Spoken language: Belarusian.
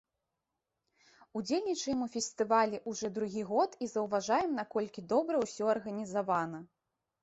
Удзельнічаем у фестывалі ўжо другі год і заўважаем, наколькі добра ўсё арганізавана.